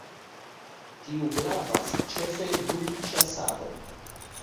Tiu gravas ĉefe dum ĉasado.